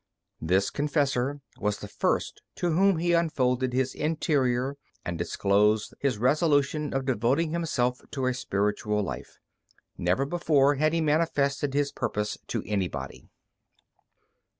This confessor was the first to whom he unfolded his interior, and disclosed his resolution of devoting himself to a spiritual life. Never before had he manifested his purpose to anybody.